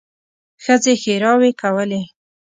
ښځې ښېراوې کولې.